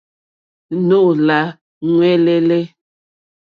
Nóò lâ ŋwɛ́ǃɛ́lɛ́.